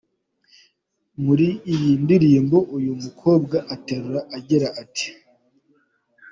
Muri iyi ndirimbo, uyu mukobwa aterura agira ati:.